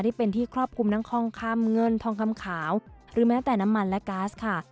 ที่เป็นที่ครอบคลุมทั้งทองคำเงินทองคำขาวหรือแม้แต่น้ำมันและก๊าซค่ะ